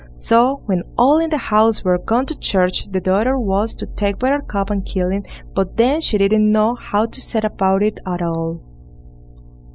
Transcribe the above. So, when all in the house were gone to church the daughter was to take Buttercup and kill him, but then she didn't know how to set about it at all.